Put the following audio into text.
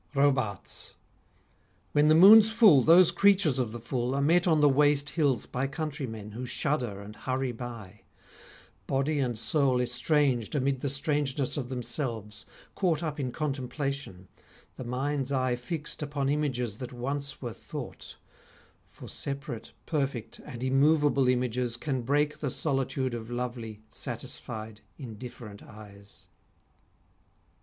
ROBARTES When the moon's full those creatures of the full Are met on the waste hills by country men Who shudder and hurry by: body and soul Estranged amid the strangeness of themselves, Caught up in contemplation, the mind's eye Fixed upon images that once were thought, For separate, perfect, and immovable Images can break the solitude Of lovely, satisfied, indifferent eyes.